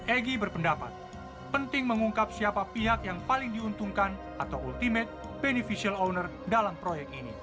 egy berpendapat penting mengungkap siapa pihak yang paling diuntungkan atau ultimate beneficial owner dalam proyek ini